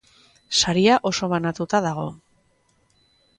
Saria oso banatuta dago.